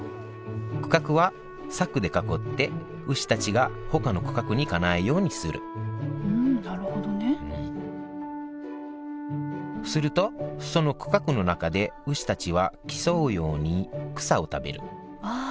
区画は柵で囲って牛たちがほかの区画に行かないようにするうんなるほどねするとその区画の中で牛たちは競うように草を食べるああ！